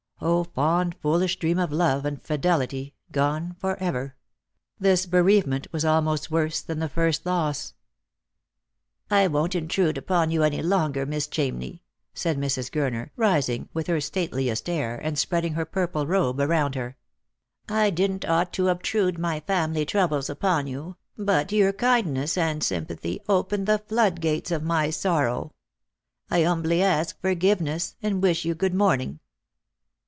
0, fond foolish dream of love and fidelity, gone for ever ! This bereave ment was almost worse than the first loss. " I won't intrude upon you any longer, Miss Chamney," said Mrs. Gurner, rising with her stateliest air, and spreading her Lost for Love. 213 purple robe around her. " I didn't ought to obtrude my family troubles upon you, but your kindness and sympathy opened tho floodgates of my sorrow. I 'umbly ask forgiveness, and wish you good morning."